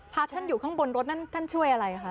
พระท่านอยู่ข้างบนรถนั่นท่านช่วยอะไรคะ